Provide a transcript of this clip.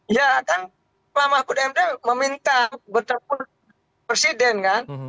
ya kan pak mahfud md meminta bertemu presiden kan